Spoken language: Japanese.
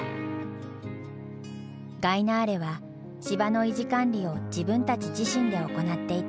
ガイナーレは芝の維持管理を自分たち自身で行っていた。